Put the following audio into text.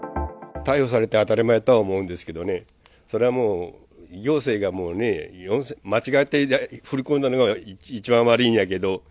逮捕されて当たり前とは思うんですけどね、それはもう、行政がもうね、間違って振り込んだのが一番悪いんやけど。